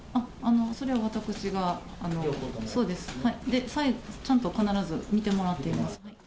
それは私が、そうです、最後、ちゃんと必ず見てもらっています。